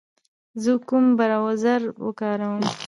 زه کوم براوزر و کاروم